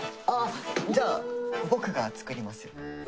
あぁじゃあ僕が作りますよ。